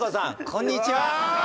こんにちはうわ！